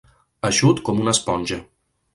Eixut com una esponja.